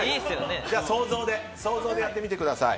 想像でやってみてください。